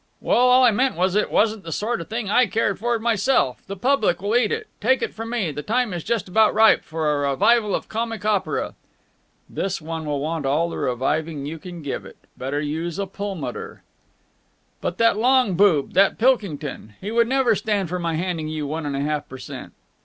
"Well, all I meant was that it wasn't the sort of thing I cared for myself. The public will eat it. Take it from me, the time is just about ripe for a revival of comic opera." "This one will want all the reviving you can give it. Better use a pulmotor." "But that long boob, that Pilkington ... he would never stand for my handing you one and a half per cent."